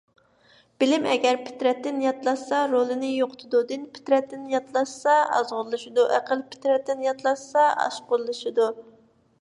بىلىم ئەگەر پىترەتتىن ياتلاشسا رولىنى يوقىتىدۇ. دىن پىترەتتىن ياتلاشسا ئازغۇنلىشىدۇ. ئەقىل پىترەتتىن ياتلاشسا ئاشقۇنلىشىدۇ.